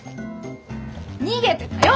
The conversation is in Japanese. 逃げてたよ！